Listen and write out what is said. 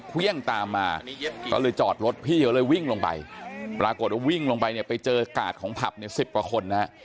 ปรากฏว่าวิ่งลงไปไปเจอกาสของผับ๑๐กว่าคน